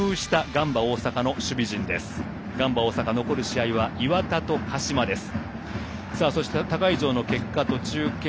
ガンバ大阪残り試合が磐田と鹿島です。